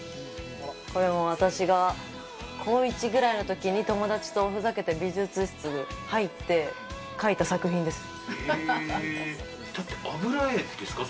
これも私が高１くらいの時に友達とふざけて美術室に入って油絵ですか？